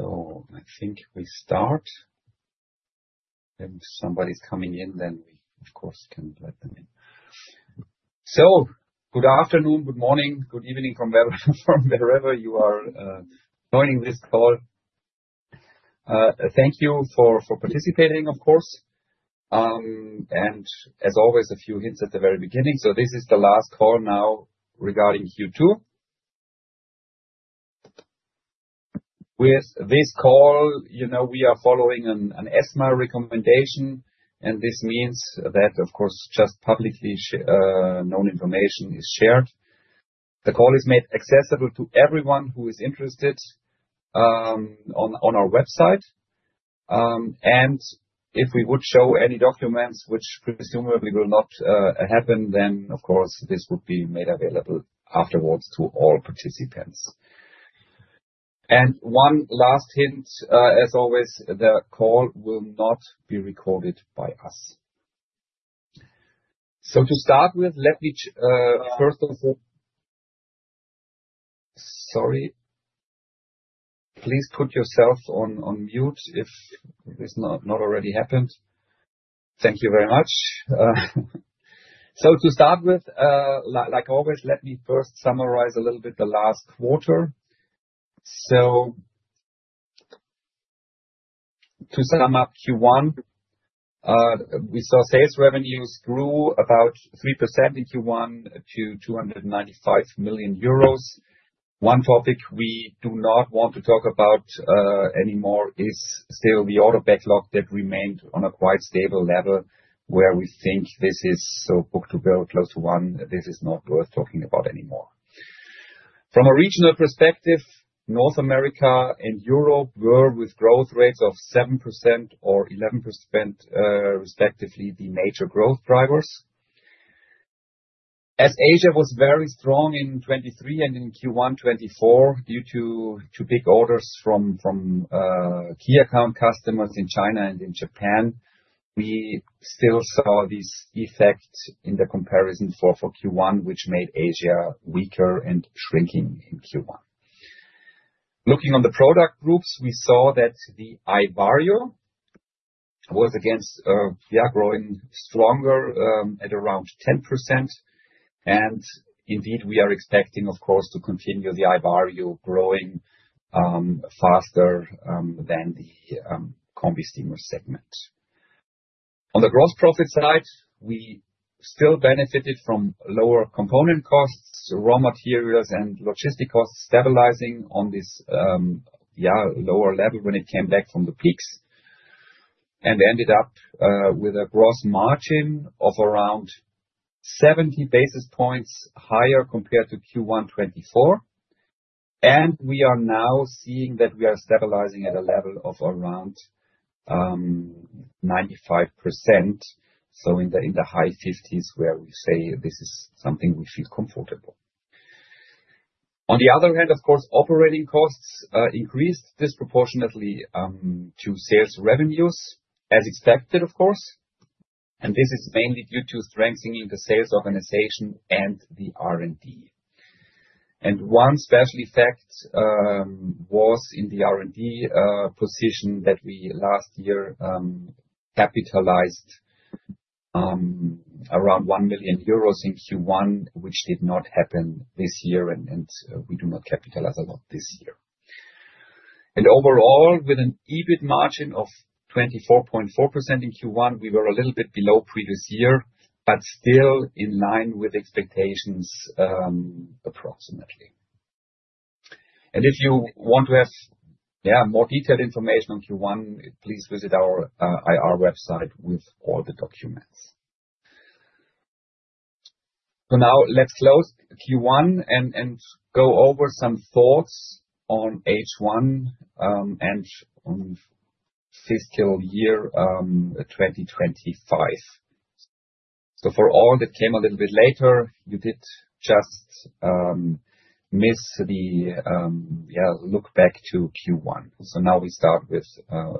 I think we start. If somebody's coming in, then we, of course, can let them in. Good afternoon, good morning, good evening from wherever you are joining this call. Thank you for participating, of course. As always, a few hints at the very beginning. This is the last call now regarding Q2. With this call, we are following an ESMA recommendation. This means that, of course, just publicly known information is shared. The call is made accessible to everyone who is interested on our website. If we would show any documents, which presumably will not happen, then, of course, this would be made available afterwards to all participants. One last hint, as always, the call will not be recorded by us. To start with, let me first of all—sorry. Please put yourself on mute if this has not already happened. Thank you very much. To start with, like always, let me first summarize a little bit the last quarter. To sum up Q1, we saw sales revenues grew about 3% in Q1 to 295 million euros. One topic we do not want to talk about anymore is still the order backlog that remained on a quite stable level, where we think this is so book-to-bill close to one, this is not worth talking about anymore. From a regional perspective, North America and Europe were, with growth rates of 7% or 11%, respectively, the major growth drivers. As Asia was very strong in 2023 and in Q1 2024 due to big orders from key account customers in China and in Japan, we still saw this effect in the comparison for Q1, which made Asia weaker and shrinking in Q1. Looking on the product groups, we saw that the iVario was, again, growing stronger at around 10%. Indeed, we are expecting, of course, to continue the iVario growing faster than the combi steamer segment. On the gross profit side, we still benefited from lower component costs, raw materials, and logistic costs stabilizing on this lower level when it came back from the peaks. We ended up with a gross margin of around 70 basis points higher compared to Q1 2024. We are now seeing that we are stabilizing at a level of around 95%, so in the high 50s where we say this is something we feel comfortable. On the other hand, of course, operating costs increased disproportionately to sales revenues, as expected, of course. This is mainly due to strengthening the sales organization and the R&D. One special effect was in the R&D position that we last year capitalized around 1 million euros in Q1, which did not happen this year. We do not capitalize a lot this year. Overall, with an EBIT margin of 24.4% in Q1, we were a little bit below previous year, but still in line with expectations, approximately. If you want to have more detailed information on Q1, please visit our IR website with all the documents. Now let's close Q1 and go over some thoughts on H1 and on fiscal year 2025. For all that came a little bit later, you did just miss the look back to Q1. Now we start with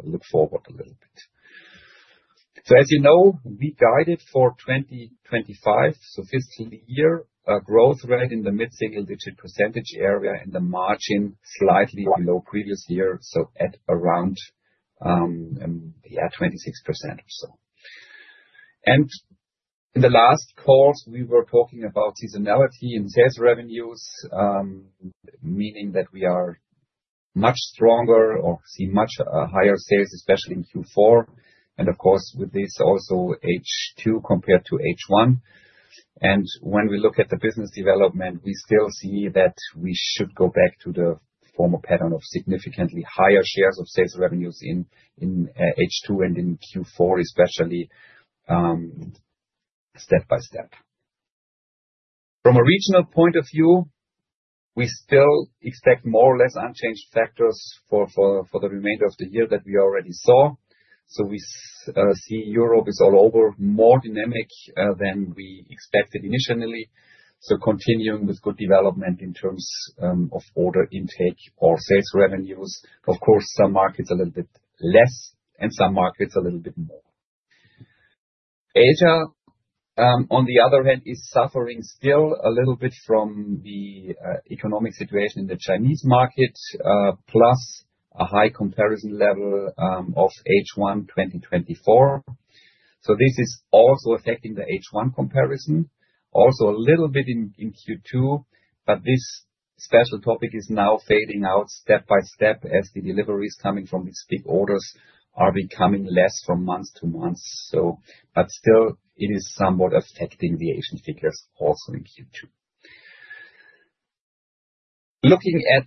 look forward a little bit. As you know, we guided for 2025, so fiscal year growth rate in the mid-single digit percentage area and the margin slightly below previous year, so at around 26% or so. In the last calls, we were talking about seasonality in sales revenues, meaning that we are much stronger or see much higher sales, especially in Q4. Of course, with this also H2 compared to H1. When we look at the business development, we still see that we should go back to the former pattern of significantly higher shares of sales revenues in H2 and in Q4, especially step by step. From a regional point of view, we still expect more or less unchanged factors for the remainder of the year that we already saw. We see Europe is all over more dynamic than we expected initially. Continuing with good development in terms of order intake or sales revenues. Of course, some markets a little bit less and some markets a little bit more. Asia, on the other hand, is suffering still a little bit from the economic situation in the Chinese market, plus a high comparison level of H1 2024. This is also affecting the H1 comparison, also a little bit in Q2. This special topic is now fading out step by step as the deliveries coming from these big orders are becoming less from month to month. Still, it is somewhat affecting the Asian figures also in Q2. Looking at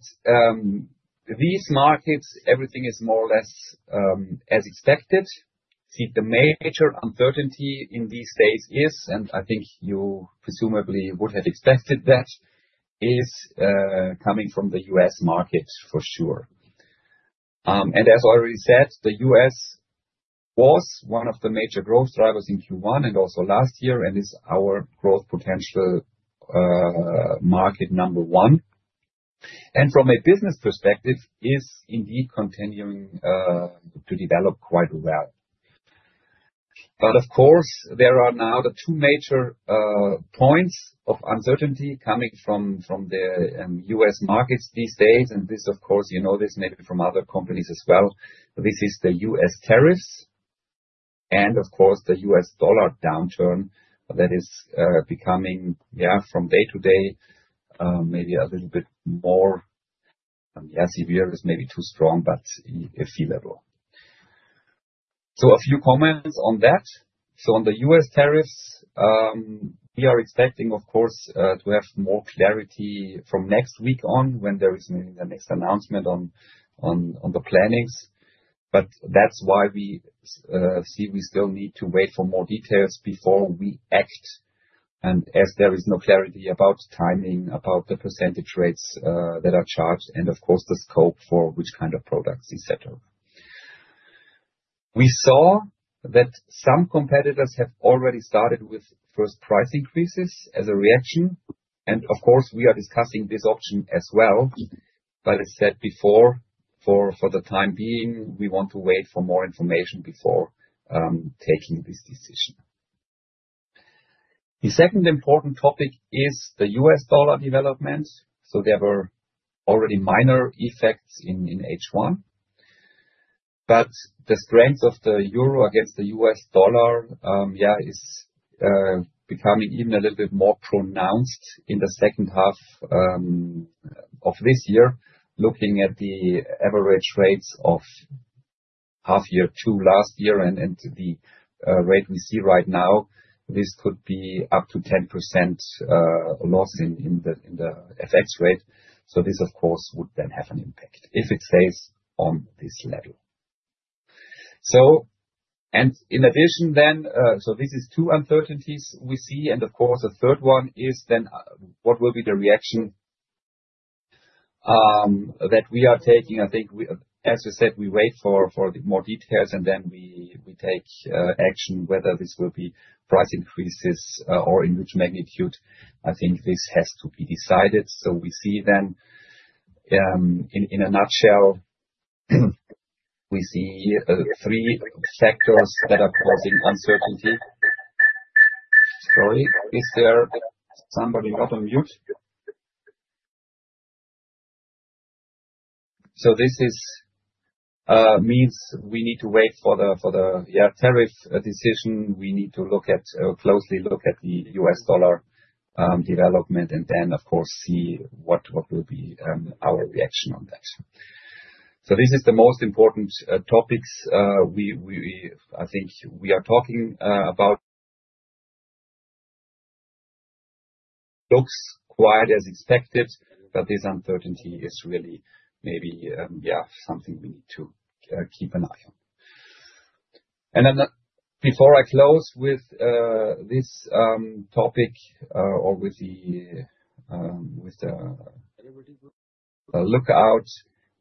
these markets, everything is more or less as expected. The major uncertainty in these days is, and I think you presumably would have expected that, coming from the U.S. market for sure. As already said, the U.S. was one of the major growth drivers in Q1 and also last year and is our growth potential market number one. From a business perspective, it is indeed continuing to develop quite well. Of course, there are now the two major points of uncertainty coming from the U.S. markets these days. This, of course, you know this maybe from other companies as well. This is the U.S. tariffs and, of course, the U.S. dollar downturn that is becoming from day to day maybe a little bit more severe, maybe too strong, but a fee level. A few comments on that. On the U.S. tariffs, we are expecting, of course, to have more clarity from next week on when there is the next announcement on the plannings. That is why we see we still need to wait for more details before we act. As there is no clarity about timing, about the percentage rates that are charged, and of course, the scope for which kind of products, etc., we saw that some competitors have already started with first price increases as a reaction. Of course, we are discussing this option as well. As said before, for the time being, we want to wait for more information before taking this decision. The second important topic is the U.S. dollar development. There were already minor effects in H1, but the strength of the euro against the U.S. dollar is becoming even a little bit more pronounced in the second half of this year, looking at the average rates of half year to last year and the rate we see right now. This could be up to 10% loss in the FX rate. This, of course, would then have an impact if it stays on this level. In addition, then, this is two uncertainties we see. Of course, the third one is then what will be the reaction that we are taking. I think, as we said, we wait for more details and then we take action, whether this will be price increases or in which magnitude. I think this has to be decided. We see then, in a nutshell, we see three factors that are causing uncertainty. Sorry, is there somebody not on mute? This means we need to wait for the tariff decision. We need to closely look at the U.S. dollar development and then, of course, see what will be our reaction on that. This is the most important topics I think we are talking about. Looks quite as expected, but this uncertainty is really maybe something we need to keep an eye on. Before I close with this topic or with the lookout,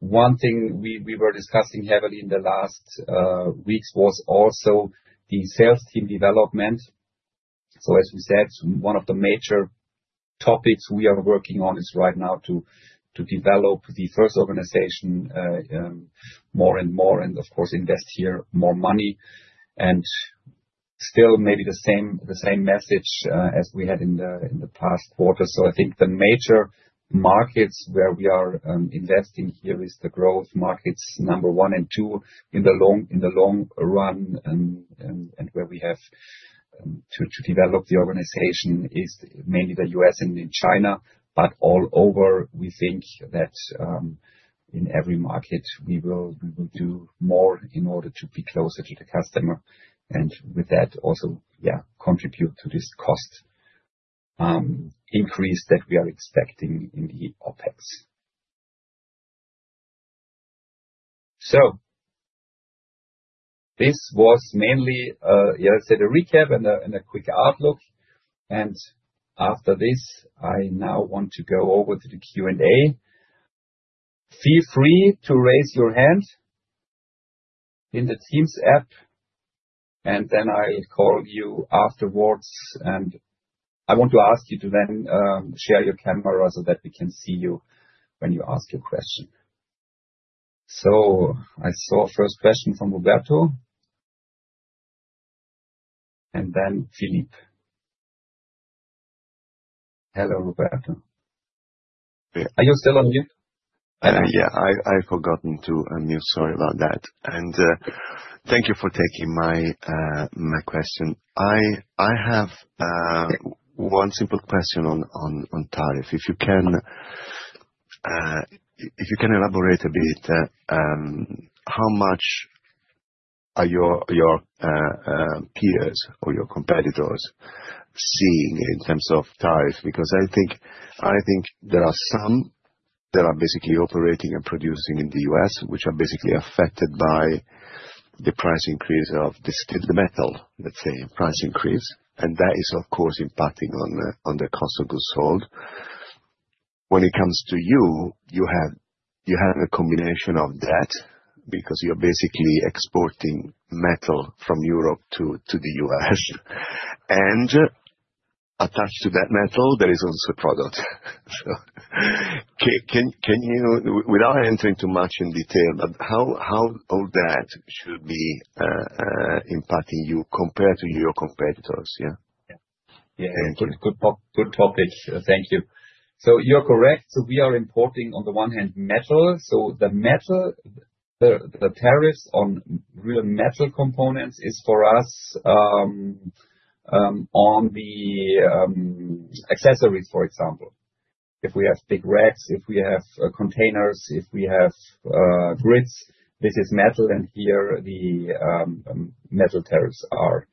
one thing we were discussing heavily in the last weeks was also the sales team development. As we said, one of the major topics we are working on is right now to develop the first organization more and more and, of course, invest here more money. Still maybe the same message as we had in the past quarter. I think the major markets where we are investing here is the growth markets, number one and two in the long run and where we have to develop the organization is mainly the U.S. and in China. All over, we think that in every market, we will do more in order to be closer to the customer and with that also contribute to this cost increase that we are expecting in the OpEx. This was mainly, as I said, a recap and a quick outlook. After this, I now want to go over to the Q&A. Feel free to raise your hand in the Teams app. I'll call you afterwards. I want to ask you to then share your camera so that we can see you when you ask your question. I saw first question from Roberto. And then Philippe. Hello, Roberto. Are you still on mute? Yeah, I forgot to unmute. Sorry about that. Thank you for taking my question. I have one simple question on tariff. If you can elaborate a bit, how much are your peers or your competitors seeing in terms of tariff? Because I think there are some that are basically operating and producing in the U.S., which are basically affected by the price increase of the steel metal, let's say, price increase. That is, of course, impacting on the cost of goods sold. When it comes to you, you have a combination of that because you're basically exporting metal from Europe to the U.S. Attached to that metal, there is also product. Without entering too much in detail, how all that should be impacting you compared to your competitors? Yeah. Yeah, good topic. Thank you. You're correct. We are importing on the one hand metal. The tariffs on real metal components is for us on the accessories, for example. If we have big racks, if we have containers, if we have grids, this is metal. Here the metal tariffs are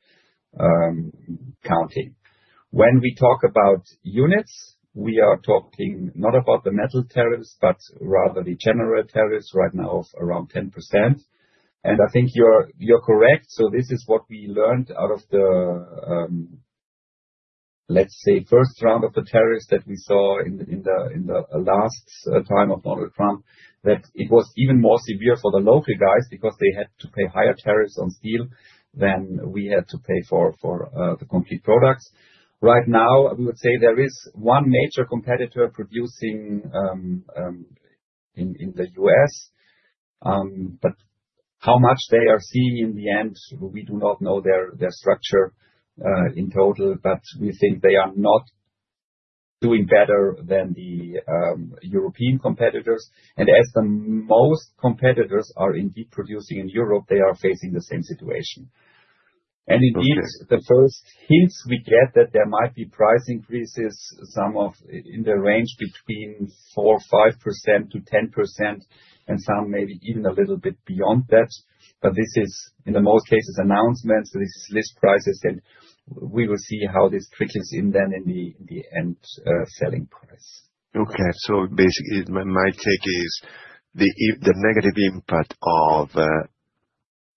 counting. When we talk about units, we are talking not about the metal tariffs, but rather the general tariffs right now of around 10%. I think you're correct. This is what we learned out of the, let's say, first round of the tariffs that we saw in the last time of Donald Trump, that it was even more severe for the local guys because they had to pay higher tariffs on steel than we had to pay for the complete products. Right now, we would say there is one major competitor producing in the US. How much they are seeing in the end, we do not know their structure in total. We think they are not doing better than the European competitors. As most competitors are indeed producing in Europe, they are facing the same situation. Indeed, the first hints we get are that there might be price increases, some in the range between 4%, 5%-10%, and some maybe even a little bit beyond that. This is in most cases announcements. This is list prices. We will see how this trickles in then in the end selling price. Okay. Basically, my take is the negative impact of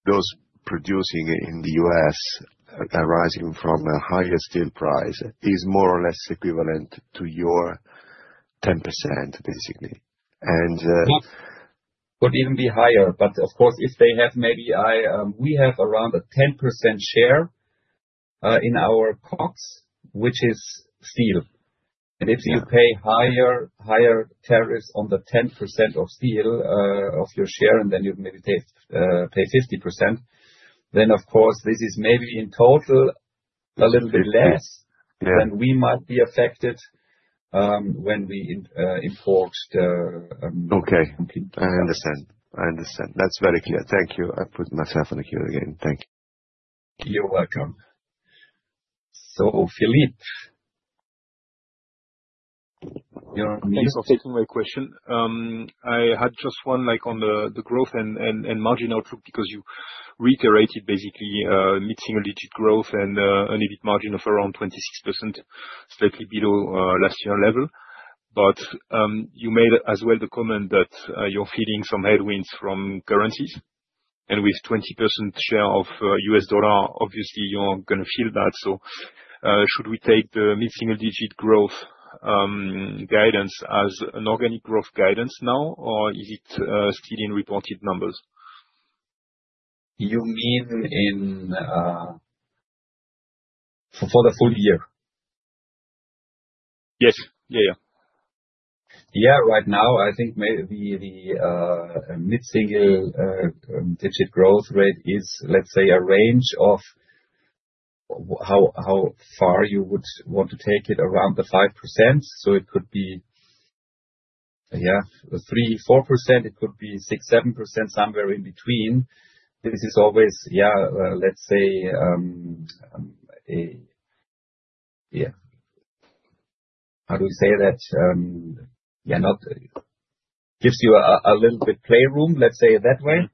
those producing in the U.S. arising from a higher steel price is more or less equivalent to your 10%, basically. It could even be higher. Of course, if they have, maybe we have around a 10% share in our COGS, which is steel. If you pay higher tariffs on the 10% of steel of your share, and then you maybe pay 50%, then of course, this is maybe in total a little bit less than we might be affected when we import. Okay. I understand. I understand. That is very clear. Thank you. I put myself on the queue again. Thank you. You're welcome. Philippe, you're on mute. Thank you for taking my question. I had just one on the growth and margin outlook because you reiterated basically mid-single digit growth and an EBIT margin of around 26%, slightly below last year level. You made as well the comment that you're feeling some headwinds from currencies. With 20% share of U.S. dollar, obviously, you're going to feel that. Should we take the mid-single digit growth guidance as an organic growth guidance now, or is it still in reported numbers? You mean for the full year? Yes. Yeah, yeah. Right now, I think the mid-single digit growth rate is, let's say, a range of how far you would want to take it around the 5%. It could be, yeah, 3%-4%. It could be 6%-7%, somewhere in between. This is always, yeah, let's say, yeah, how do we say that? It gives you a little bit playroom, let's say it that way.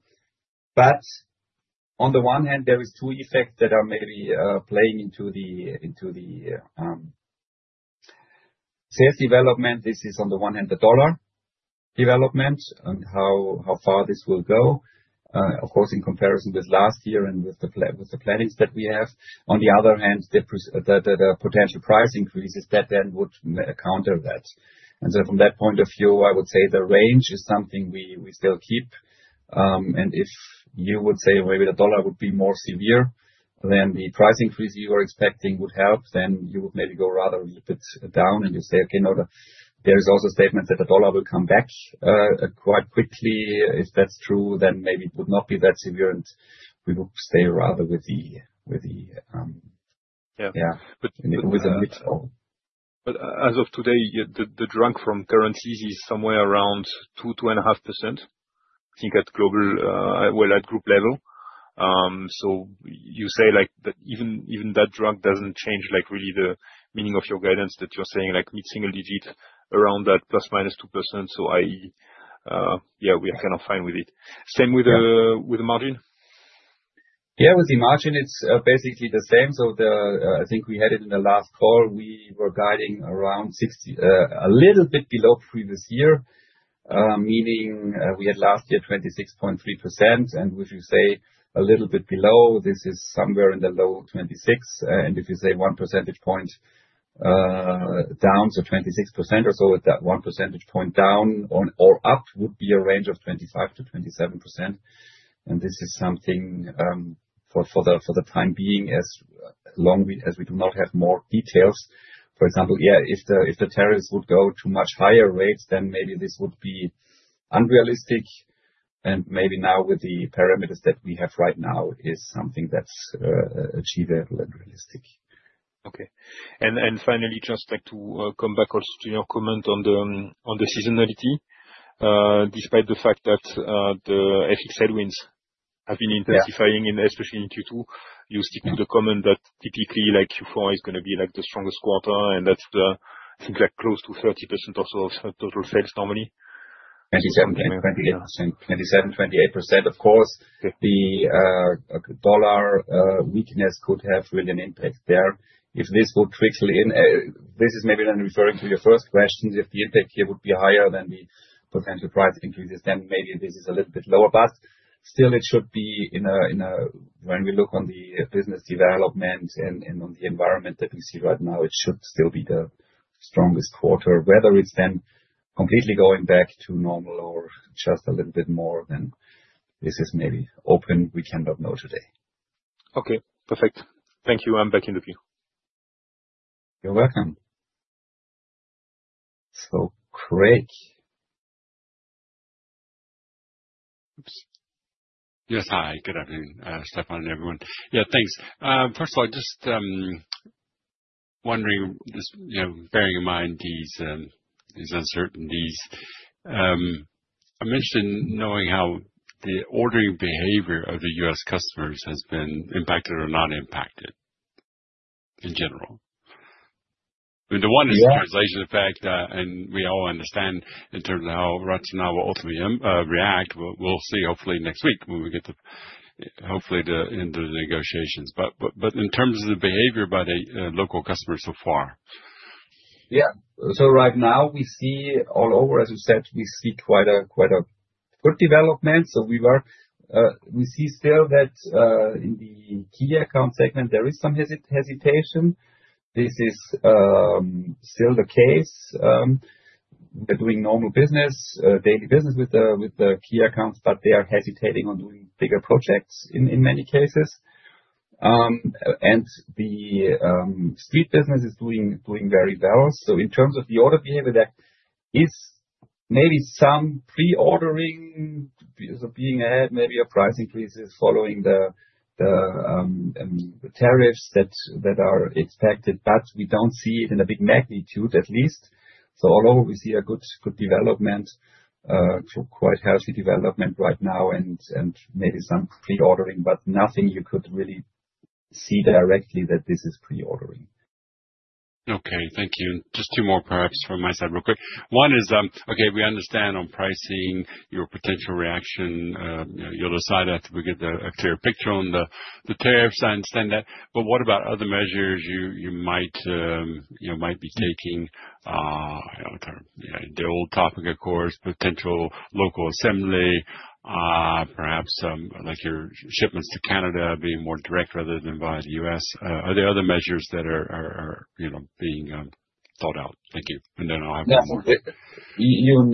On the one hand, there are two effects that are maybe playing into the sales development. This is on the one hand, the dollar development and how far this will go, of course, in comparison with last year and with the plannings that we have. On the other hand, the potential price increases that then would counter that. From that point of view, I would say the range is something we still keep. If you would say maybe the dollar would be more severe than the price increase you are expecting would help, then you would maybe go rather a little bit down and you say, "Okay, no, there is also a statement that the dollar will come back quite quickly. If that's true, then maybe it would not be that severe." We would stay rather with the. Yeah. As of today, the drag from currencies is somewhere around 2%-2.5%, I think, at global, well, at group level. You say that even that drag does not change really the meaning of your guidance that you are saying mid-single digit around that 2%±. Yeah, we are kind of fine with it. Same with the margin? Yeah, with the margin, it is basically the same. I think we had it in the last call. We were guiding around a little bit below previous year, meaning we had last year 26.3%. If you say a little bit below, this is somewhere in the low 26%. If you say one percentage point down, so 26% or so, one percentage point down or up would be a range of 25%-27%. This is something for the time being as long as we do not have more details. For example, if the tariffs would go to much higher rates, then maybe this would be unrealistic. Maybe now with the parameters that we have right now, it is something that is achievable and realistic. Okay. Finally, just to come back also to your comment on the seasonality, despite the fact that the FX headwinds have been intensifying, especially in Q2, you stick to the comment that typically Q4 is going to be the strongest quarter. That is, I think, close to 30% or so of total sales normally. 27%-28%. 27%-28%. Of course, the dollar weakness could have really an impact there. If this would trickle in, this is maybe then referring to your first question, if the impact here would be higher than the potential price increases, then maybe this is a little bit lower. Still, it should be in a, when we look on the business development and on the environment that we see right now, it should still be the strongest quarter. Whether it's then completely going back to normal or just a little bit more than this is maybe open, we cannot know today. Okay. Perfect. Thank you. I'm back in the queue. You're welcome. Craig. Yes. Hi. Good afternoon, Stefan and everyone. Yeah, thanks. First of all, just wondering, bearing in mind these uncertainties I mentioned, knowing how the ordering behavior of the U.S. customers has been impacted or not impacted in general. I mean, the one is translation effect, and we all understand in terms of how RATIONAL will ultimately react. We'll see, hopefully, next week when we get to, hopefully, the end of the negotiations. In terms of the behavior by the local customers so far. Yeah. Right now, we see all over, as you said, we see quite a good development. We see still that in the key account segment, there is some hesitation. This is still the case. They are doing normal business, daily business with the key accounts, but they are hesitating on doing bigger projects in many cases. The street business is doing very well. In terms of the order behavior, there is maybe some pre-ordering being ahead, maybe a price increase following the tariffs that are expected, but we do not see it in a big magnitude, at least. All over, we see a good development, quite healthy development right now, and maybe some pre-ordering, but nothing you could really see directly that this is pre-ordering. Okay. Thank you. Just two more, perhaps, from my side real quick. One is, okay, we understand on pricing your potential reaction. You'll decide after we get a clear picture on the tariffs. I understand that. What about other measures you might be taking? The old topic, of course, potential local assembly, perhaps your shipments to Canada being more direct rather than via the U.S. Are there other measures that are being thought out? Thank you. I have one more. You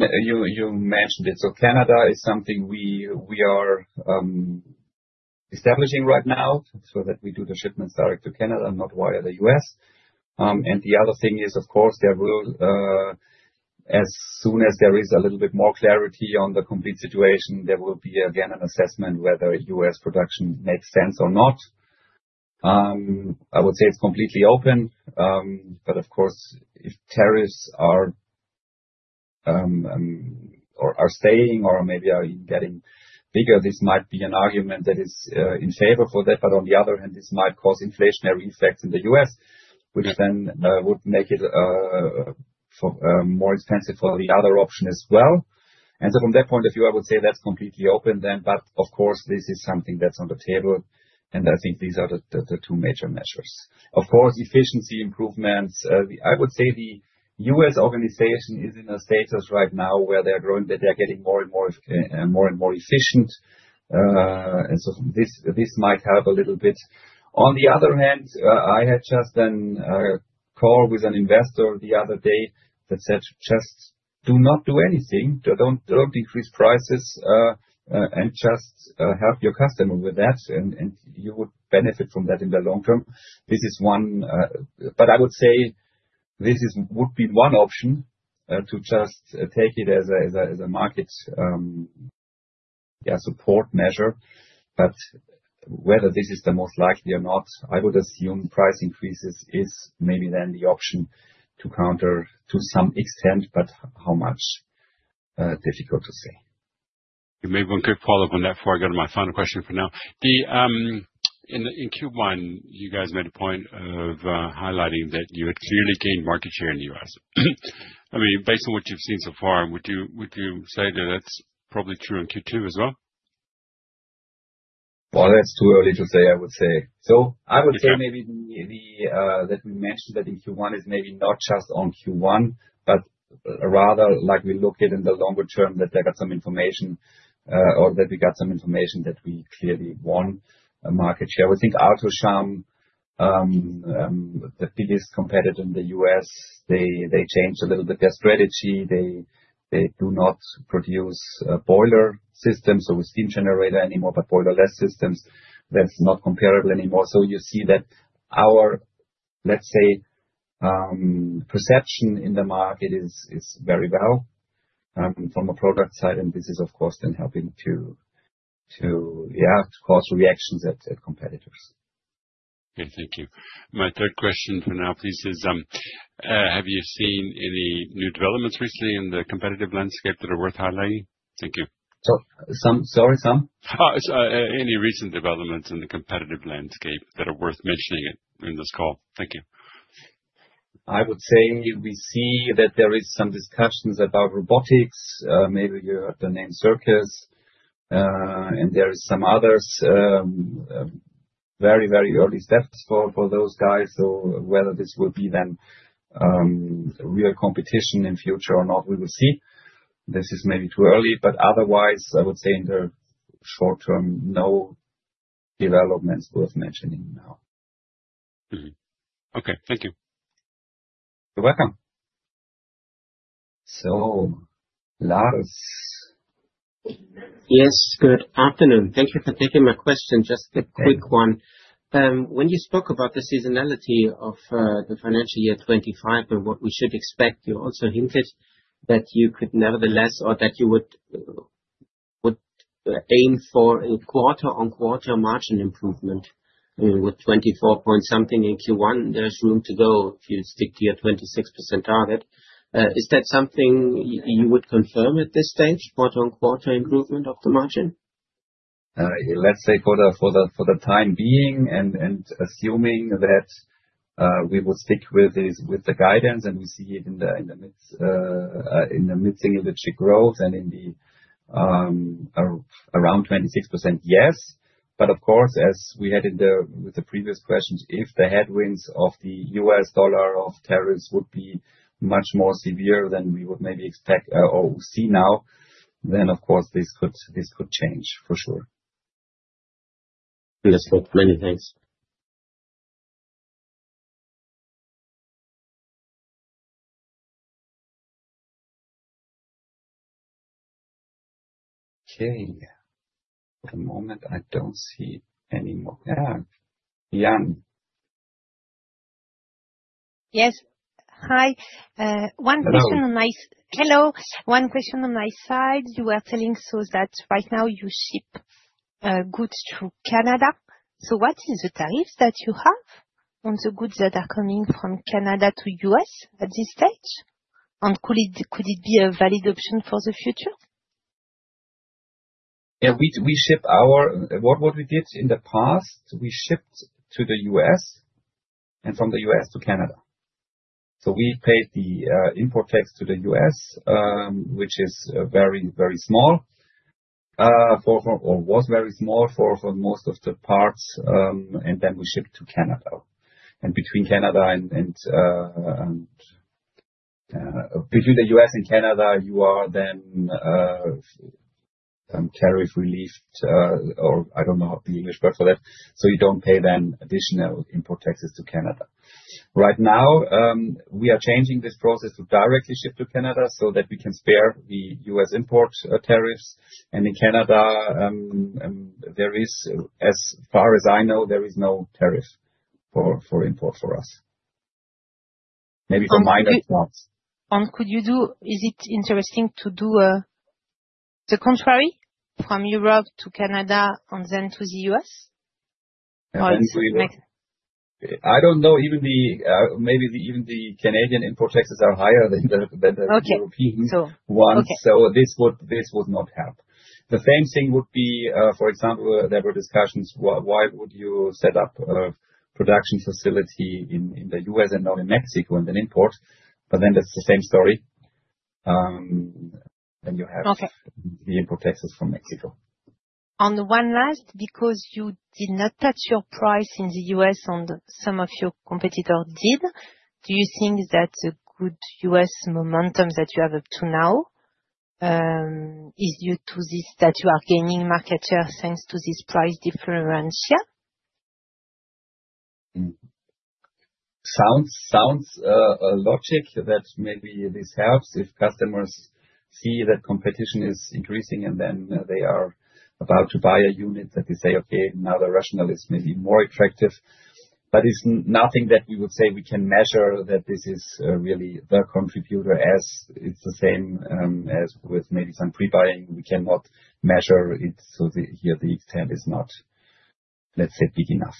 mentioned it. Canada is something we are establishing right now so that we do the shipments direct to Canada, not via the U.S. The other thing is, as soon as there is a little bit more clarity on the complete situation, there will be again an assessment whether U.S. production makes sense or not. I would say it's completely open. Of course, if tariffs are staying or maybe are getting bigger, this might be an argument that is in favor for that. On the other hand, this might cause inflationary effects in the U.S., which then would make it more expensive for the other option as well. From that point of view, I would say that's completely open then. Of course, this is something that's on the table. I think these are the two major measures. Of course, efficiency improvements. I would say the U.S. organization is in a status right now where they're getting more and more efficient. This might help a little bit. On the other hand, I had just a call with an investor the other day that said, "Just do not do anything. Don't increase prices and just help your customer with that. You would benefit from that in the long term. This is one. I would say this would be one option to just take it as a market support measure. Whether this is the most likely or not, I would assume price increases is maybe then the option to counter to some extent, but how much, difficult to say. Maybe one quick follow-up on that before I go to my final question for now. In Q1, you guys made a point of highlighting that you had clearly gained market share in the U.S. I mean, based on what you've seen so far, would you say that that's probably true in Q2 as well? That is too early to say, I would say. I would say maybe that we mentioned that in Q1 is maybe not just on Q1, but rather we look at in the longer term that they got some information or that we got some information that we clearly won market share. We think Alto-Shaam, the biggest competitor in the U.S., they changed a little bit their strategy. They do not produce boiler systems, so with steam generator anymore, but boilerless systems, that's not comparable anymore. You see that our, let's say, perception in the market is very well from a product side. This is, of course, then helping to, yeah, cause reactions at competitors. Okay. Thank you. My third question for now, please, is have you seen any new developments recently in the competitive landscape that are worth highlighting? Thank you. Sorry, some? Any recent developments in the competitive landscape that are worth mentioning in this call? Thank you. I would say we see that there are some discussions about robotics. Maybe you heard the name Circus. And there are some others. Very, very early steps for those guys. Whether this will be then real competition in future or not, we will see. This is maybe too early. Otherwise, I would say in the short term, no developments worth mentioning now. Okay. Thank you. You're welcome. So Lars. Yes. Good afternoon. Thank you for taking my question. Just a quick one. When you spoke about the seasonality of the financial year 2025 and what we should expect, you also hinted that you could nevertheless or that you would aim for a quarter-on-quarter margin improvement. I mean, with 24% point something in Q1, there's room to go if you stick to your 26% target. Is that something you would confirm at this stage, quarter-on-quarter improvement of the margin? Let's say for the time being and assuming that we will stick with the guidance and we see it in the mid-single digit growth and in the around 26%, yes. Of course, as we had with the previous questions, if the headwinds of the U.S. dollar or tariffs would be much more severe than we would maybe expect or see now, then of course, this could change for sure. Yes. Many thanks. Okay. One moment. I don't see any more. Yeah. Yang. Yes. Hi. One question on my side. Hello. One question on my side. You were telling us that right now you ship goods to Canada. What is the tariffs that you have on the goods that are coming from Canada to the U.S. at this stage? Could it be a valid option for the future? Yeah. We ship our, what we did in the past, we shipped to the U.S. and from the U.S. to Canada. We paid the import tax to the U.S., which is very, very small or was very small for most of the parts. Then we shipped to Canada. Between Canada and the U.S. and Canada, you are then tariff relieved or I do not know the English word for that. You do not pay then additional import taxes to Canada. Right now, we are changing this process to directly ship to Canada so that we can spare the U.S. import tariffs. In Canada, as far as I know, there is no tariff for import for us. Maybe for minor parts. Could you do, is it interesting to do the contrary from Europe to Canada and then to the U.S.? I do not know. Maybe even the Canadian import taxes are higher than the European ones. This would not help. The same thing would be, for example, there were discussions, why would you set up a production facility in the U.S. and not in Mexico and then import? That is the same story. You have the import taxes from Mexico. On the one last, because you did not touch your price in the U.S. and some of your competitors did, do you think that the good U.S. momentum that you have up to now is due to this, that you are gaining market share thanks to this price differential? Sounds logic that maybe this helps if customers see that competition is increasing and then they are about to buy a unit that they say, "Okay, now the RATIONAL is maybe more attractive." But it's nothing that we would say we can measure that this is really the contributor as it's the same as with maybe some pre-buying. We cannot measure it. Here, the extent is not, let's say, big enough.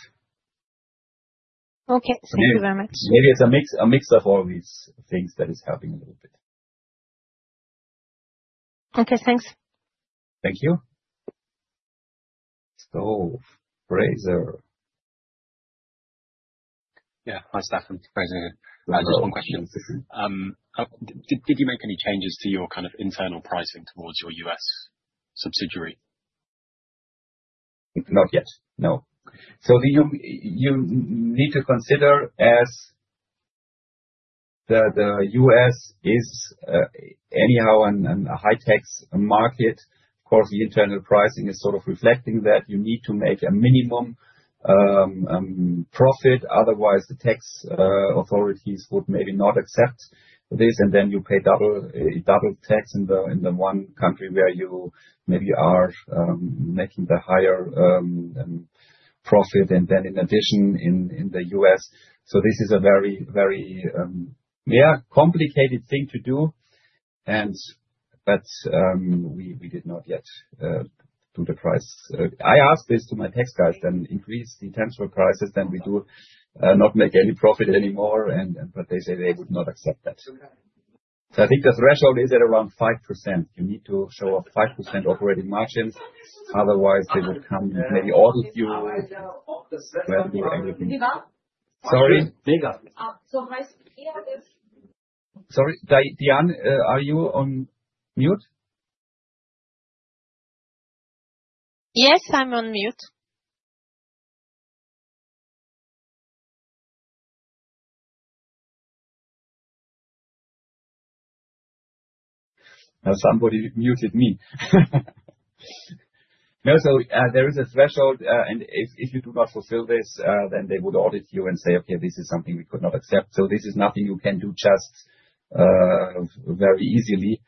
Okay. Thank you very much. Maybe it's a mix of all these things that is helping a little bit. Okay. Thanks. Thank you. Fraser. Yeah. Hi, Stefan. Fraser. Just one question. Did you make any changes to your kind of internal pricing towards your U.S. subsidiary? Not yet. No. You need to consider as the U.S. is anyhow a high-tax market. Of course, the internal pricing is sort of reflecting that. You need to make a minimum profit. Otherwise, the tax authorities would maybe not accept this. You pay double tax in the one country where you maybe are making the higher profit and then in addition in the U.S.. This is a very, very, yeah, complicated thing to do. We did not yet do the price. I asked this to my tax guys, then increase the transfer prices, then we do not make any profit anymore. They say they would not accept that. I think the threshold is at around 5%. You need to show a 5% operating margin. Otherwise, they would come maybe audit you. Sorry. Sorry. Yang, are you on mute? Yes, I'm on mute. Somebody muted me. There is a threshold. If you do not fulfill this, then they would audit you and say, "Okay, this is something we could not accept." This is nothing you can do just very easily.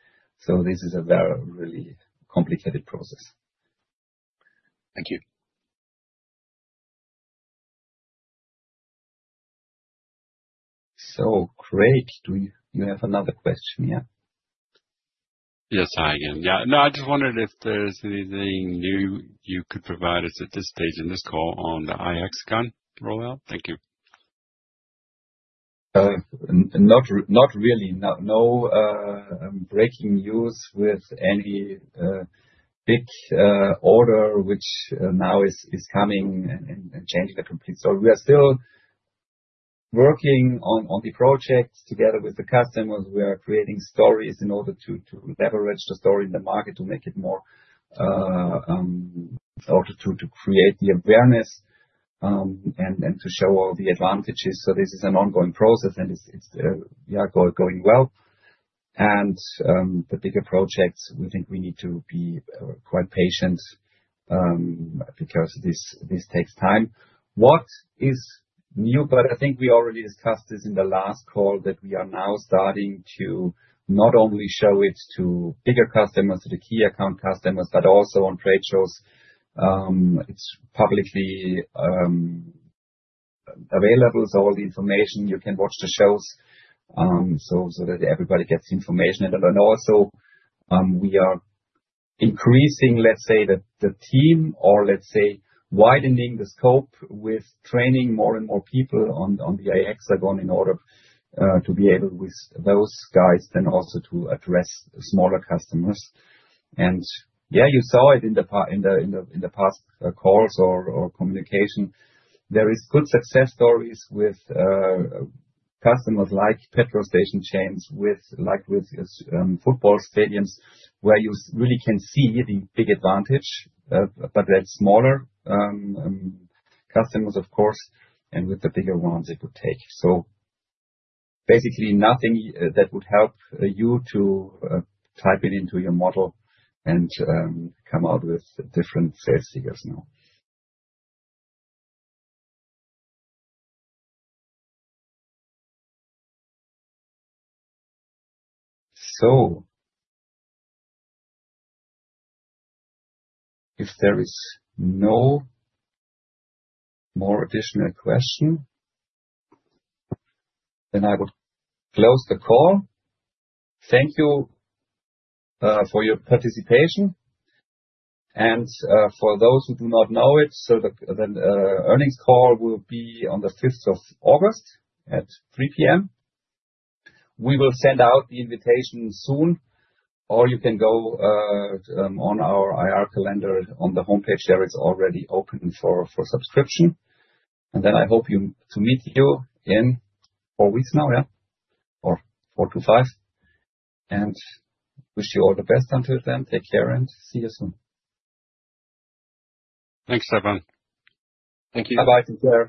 This is a really complicated process. Thank you. Craig, do you have another question here? Yes. Hi, again. Yeah. No, I just wondered if there's anything new you could provide us at this stage in this call on the IXCON rollout. Thank you. Not really. No breaking news with any big order which now is coming and changing the complete story. We are still working on the project together with the customers. We are creating stories in order to leverage the story in the market, to make it more in order to create the awareness and to show all the advantages. This is an ongoing process, and it is going well. The bigger projects, we think we need to be quite patient because this takes time. What is new? I think we already discussed this in the last call that we are now starting to not only show it to bigger customers, to the key account customers, but also on trade shows. It is publicly available. All the information, you can watch the shows so that everybody gets information. We are increasing, let's say, the team or let's say widening the scope with training more and more people on the IXCON in order to be able with those guys then also to address smaller customers. Yeah, you saw it in the past calls or communication. There are good success stories with customers like petrol station chains, with football stadiums where you really can see the big advantage, but that's smaller customers, of course, and with the bigger ones it would take. Basically, nothing that would help you to type it into your model and come out with different sales figures now. If there is no more additional question, I would close the call. Thank you for your participation. For those who do not know it, the earnings call will be on the 5th of August at 3:00 P.M. We will send out the invitation soon, or you can go on our IR calendar on the homepage. There, it is already open for subscription. I hope to meet you in four weeks now, or four to five. Wish you all the best until then. Take care and see you soon. Thanks, Stefan. Thank you. Bye-bye. Take care.